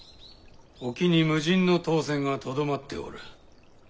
沖に無人の唐船がとどまっておる。